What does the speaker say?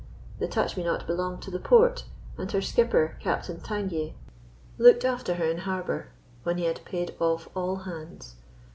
The Touch me not belonged to the port, and her skipper, Captain Tangye, looked after her in harbour when he had paid off all hands.